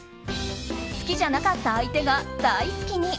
好きじゃなかった相手が大好きに。